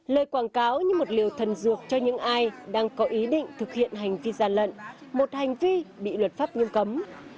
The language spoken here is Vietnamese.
lời quảng cáo như một liều thần dược cho những ai đang có ý định thực hiện hành vi gian lận một hành vi bị luật pháp nghiêm cấm